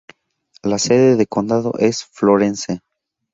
La sede de condado es Florence.